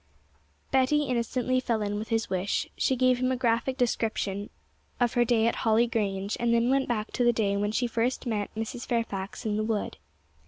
Betty innocently fell in with his wish; she gave him a graphic description of her day at Holly Grange, and then went back to the day when she first met Mrs. Fairfax in the wood.